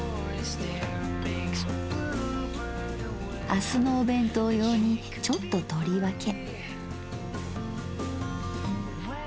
明日のお弁当用にちょっと取り分け。